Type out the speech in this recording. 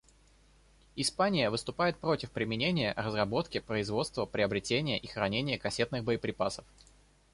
Испания выступает против применения, разработки, производства, приобретения и хранения кассетных боеприпасов.